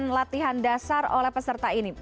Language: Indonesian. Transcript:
latihan dasar oleh peserta ini